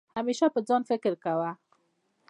همېشه په ځان فکر کوه